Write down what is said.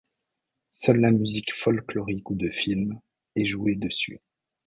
Seule la musique folklorique ou de film est jouée dessus.